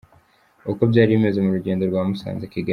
Uko byari bimeze mu rugendo rwa Musanze-Kigali .